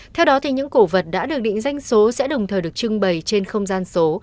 theo đó những cổ vật đã được định danh số sẽ đồng thời được trưng bày trên không gian số